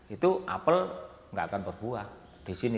itu apel nggak akan berbuah di sini